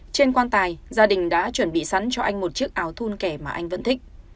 trên quan tài gia đình đã chuẩn bị sẵn cho anh một chiếc áo thun kẻ mà anh vẫn thích